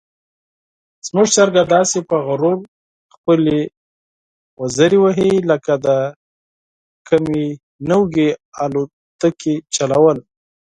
زموږ چرګه داسې په غرور خپلې وزرې وهي لکه د کومې نوې الوتکې چلول.